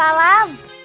aduh biangnya tut